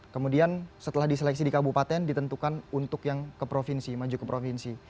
kemudian setelah diseleksi di kabupaten ditentukan untuk yang ke provinsi maju ke provinsi